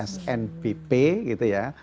snbp gitu ya